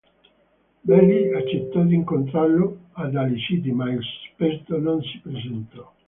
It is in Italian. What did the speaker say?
Belli accettò di incontrarlo a Daly City, ma il sospetto non si presentò.